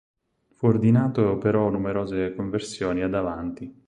Fu ordinato e operò numerose conversioni ad Avanti.